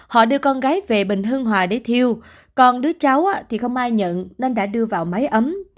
họ đưa con gái về bình hưng hòa để thiêu còn đứa cháu thì không ai nhận nên đã đưa vào máy ấm